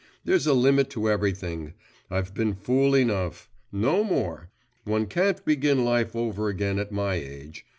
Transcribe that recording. There's a limit to everything. I've been fool enough. No more! One can't begin life over again at my age.